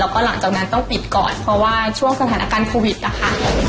แล้วก็หลังจากนั้นต้องปิดก่อนเพราะว่าช่วงสถานการณ์โควิดนะคะ